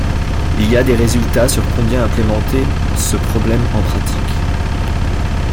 Il y a des résultats sur combien implémenter ce problème en pratique.